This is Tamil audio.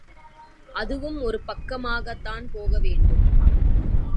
அதுவும் ஒரு பக்கமாகத் தான் போக வேண்டும்.